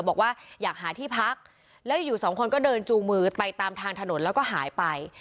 บอกว่าอยากหาที่พักแล้วอยู่สองคนก็เดินจูงมือไปตามทางถนนแล้วก็หายไป